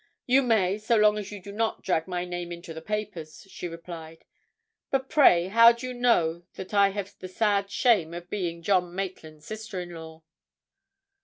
"You may, so long as you do not drag my name into the papers," she replied. "But pray, how do you know that I have the sad shame of being John Maitland's sister in law?"